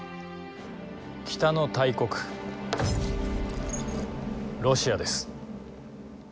北の大国ロシアです。